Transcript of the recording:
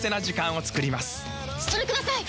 それください！